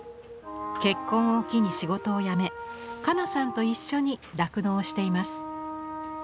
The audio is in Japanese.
結婚を機に仕事を辞め加奈さんと一緒に酪農をしています。